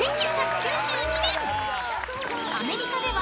［アメリカでは］